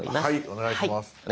お願いします。